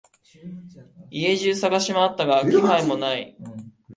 家中探しまわったが気配もない。